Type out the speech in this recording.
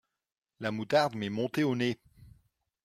La moutarde m’est montée au nez.